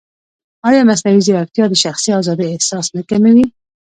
ایا مصنوعي ځیرکتیا د شخصي ازادۍ احساس نه کموي؟